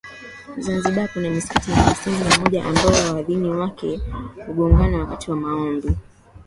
Zanzibar kuna misikiti hamsini na moja ambayo waadhini wake hugongana wakati wa maombi